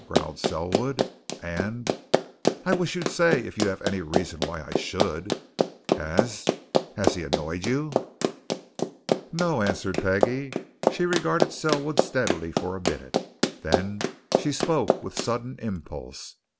growled Selwood. "And and I wish you'd say if you have reasons why I should. Has has he annoyed you?" "No," answered Peggie. She regarded Selwood steadily for a minute; then she spoke with sudden impulse.